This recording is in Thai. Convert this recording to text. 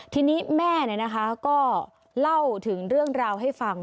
ทีนี้แม่ก็เล่าถึงเรื่องราวให้ฟัง